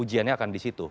ujiannya akan di situ